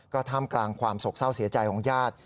ก็ท่ามกลางความโศกเศร้าเสียใจของญาติ